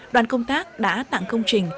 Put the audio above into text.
đoàn công tác đã tặng công trình